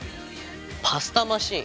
パスタマシン！